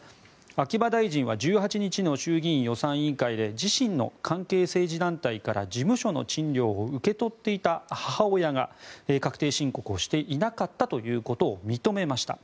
秋葉大臣は１８日の衆議院予算委員会で自身の関係政治団体から事務所の賃料を受け取っていた母親が確定申告をしていなかったということを認めました。